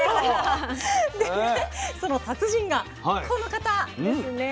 でねその達人がこの方ですね。